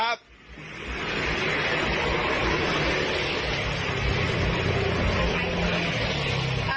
มีคนอยู่ไหมครับ